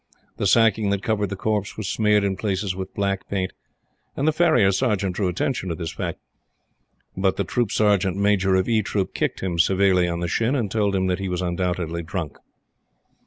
The sacking that covered the corpse was smeared in places with black paint; and the Farrier Sergeant drew attention to this fact. But the Troop Sergeant Major of E Troop kicked him severely on the shin, and told him that he was undoubtedly drunk.